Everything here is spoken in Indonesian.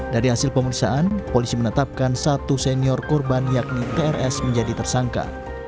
dari hasil pemeriksaan polisi menetapkan satu senior korban yakni trs menjadi tersangka